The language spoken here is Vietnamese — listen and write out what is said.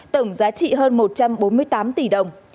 tổng giá trị hơn một trăm bốn mươi tám tỷ đồng